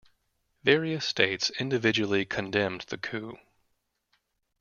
Various states individually condemned the coup.